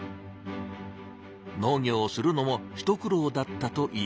農業をするのも一苦労だったといいます。